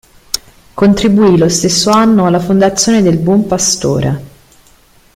Contribuì lo stesso anno alla fondazione del Buon Pastore.